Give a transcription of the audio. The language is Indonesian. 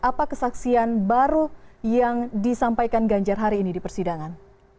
apa kesaksian baru yang disampaikan ganjar hari ini di persidangan